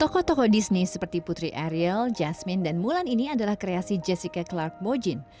tokoh tokoh bisnis seperti putri ariel jasmine dan mulan ini adalah kreasi jessica clark mogin